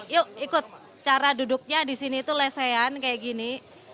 yuk ikut cara duduknya di sini itu lesehan kayak gini